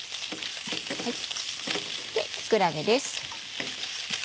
木くらげです。